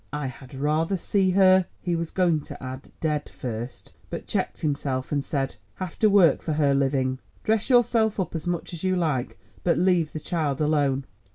I had rather see her"—he was going to add, "dead first," but checked himself and said—"have to work for her living. Dress yourself up as much as you like, but leave the child alone."